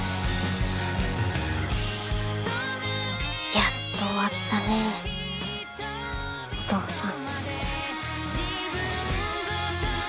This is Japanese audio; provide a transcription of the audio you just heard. やっと終わったねお父さん。